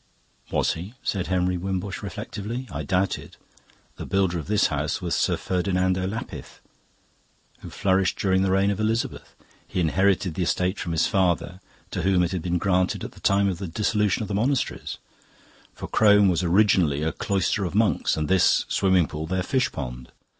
"Was he?" said Henry Wimbush reflectively. "I doubt it. The builder of this house was Sir Ferdinando Lapith, who flourished during the reign of Elizabeth. He inherited the estate from his father, to whom it had been granted at the time of the dissolution of the monasteries; for Crome was originally a cloister of monks and this swimming pool their fish pond.